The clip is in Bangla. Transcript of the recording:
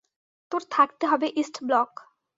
তোর থাকতে হবে ইস্ট ব্লক।